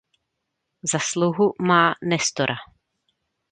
Za sluhu má Nestora.